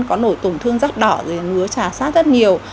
có nổi tổn thương rác đỏ ngứa trà sát rất nhiều